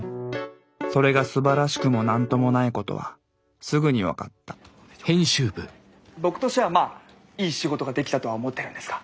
それがすばらしくも何ともないことはすぐに分かった僕としてはまあいい仕事ができたとは思ってるんですが。